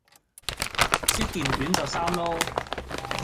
一件短袖衫囉